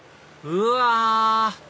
うわ！